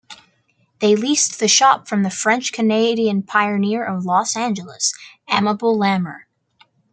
They leased the shop from the French Canadian pioneer of Los Angeles, Amable Lamer.